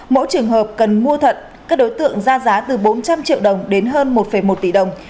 mỗi trường hợp cần mua thận các đối tượng ra giá từ bốn trăm linh triệu đồng đến hơn một một tỷ đồng